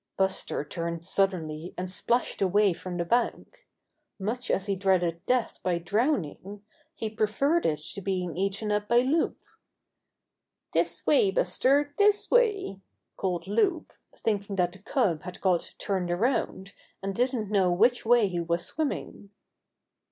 Buster turned suddenly and splashed away from the bank. Much as he dreaded death How Buster Got Out of the River 25 by drowning, he preferred it to being eaten up by Loup. ''This way, Buster! This way!" called Loup, thinking that the cub had got turned around and didn't know which way he was swimming.